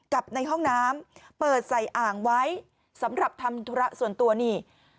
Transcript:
กับในห้องน้ำเปิดใส่อ่างไว้สำหรับทำธุระส่วนตัวนี่